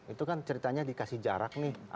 itu kan ceritanya dikasih jarak nih